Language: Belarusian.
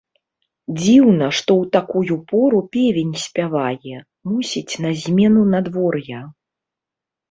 Дзіўна, што ў такую пору певень спявае, мусіць, на змену надвор'я.